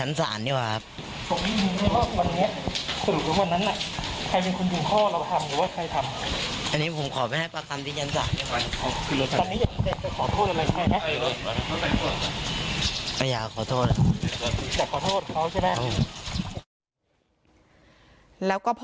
แล้วก็พอตำรวจควบคุมตัว